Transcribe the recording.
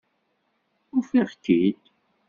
Ufiɣ-k-id.